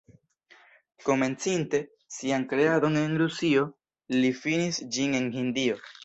Komencinte sian kreadon en Rusio, li finis ĝin en Hindio.